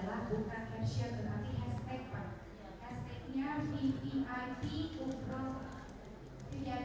baru sekarang pak saya mau mendengarkan